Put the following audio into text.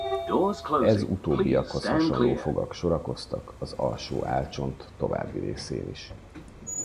Ez utóbbiakhoz hasonló fogak sorakoztak az alsó állcsont további részén is.